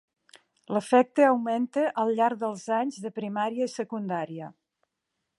L'efecte augmenta al llarg dels anys de primària i secundària.